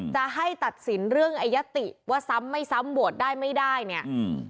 จะให้ตัดสินเรื่องไอยติว่าซ้ำไม่ซ้ำโหวตได้ไม่ได้เนี่ยอืม